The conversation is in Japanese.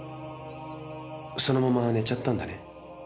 そのまま寝ちゃったんだね？